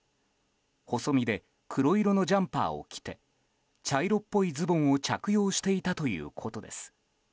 細身で黒色のジャンパーを着て茶色っぽいズボンを着用していたということです。